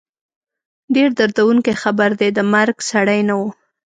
ډېر دردوونکی خبر دی، د مرګ سړی نه وو